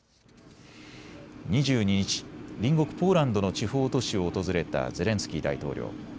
２２日、隣国ポーランドの地方都市を訪れたゼレンスキー大統領。